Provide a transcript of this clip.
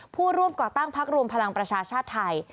ผู้ร่วมก่อตั้งพักรวมพลังประชาชาติไทย